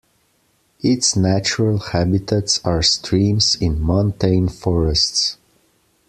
Its natural habitats are streams in montane forests.